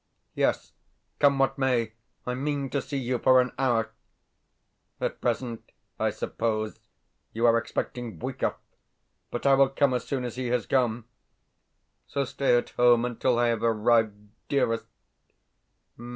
Yes, come what may, I mean to see you for an hour. At present, I suppose, you are expecting Bwikov, but I will come as soon as he has gone. So stay at home until I have arrived, dearest.